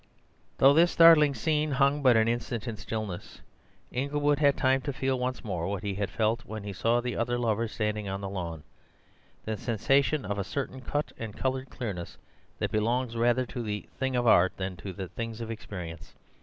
Though this startling scene hung but an instant in stillness, Inglewood had time to feel once more what he had felt when he saw the other lovers standing on the lawn—the sensation of a certain cut and coloured clearness that belongs rather to the things of art than to the things of experience.